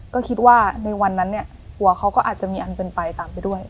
ก็คิดว่าในวันนั้นเนี่ยหัวเขาก็อาจจะมีอันเป็นไปตามไปด้วย